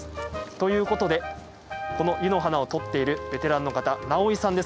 ということで、この湯の花を取っているベテランの方直井さんです。